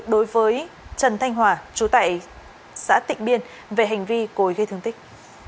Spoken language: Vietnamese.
đối với trần thanh hòa chú tại xã tịnh biên về hành vi cối gây thương tích